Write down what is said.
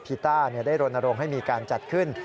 พิต้าได้โรนโรงให้มีการจัดขึ้น